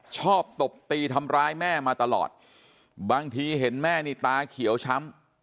ตบตีทำร้ายแม่มาตลอดบางทีเห็นแม่นี่ตาเขียวช้ำ